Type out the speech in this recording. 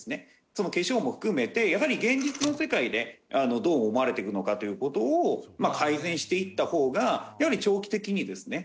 化粧も含めてやはり現実の世界でどう思われていくのかという事を改善していった方がやはり長期的にですね